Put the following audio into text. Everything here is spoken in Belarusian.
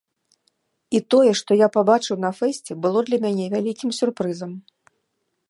І тое, што я пабачыў на фэсце, было для мяне вялікім сюрпрызам.